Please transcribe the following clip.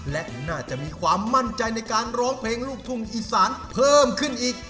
และน่าจะมีความมั่นใจในการร้องเพลงลูกทุ่งอีสานเพิ่มขึ้นอีก